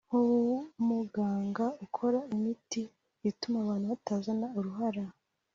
nk’uwumuganga ukora imiti ituma abantu batazana uruhara